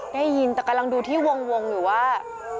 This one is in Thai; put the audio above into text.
ได้ยินแต่กำลังดูที่วงอยู่ว่า